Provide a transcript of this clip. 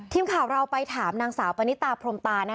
ทีมข่าวเราไปถามนางสาวปณิตาพรมตา